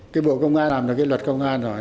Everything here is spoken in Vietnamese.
cái bộ công an làm được cái luật công an rồi